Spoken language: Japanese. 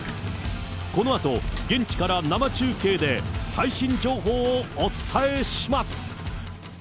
このあと現地から生中継で、最新情報をお伝えします。